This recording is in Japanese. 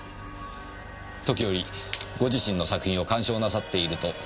時折ご自身の作品を鑑賞なさっていると聞きました。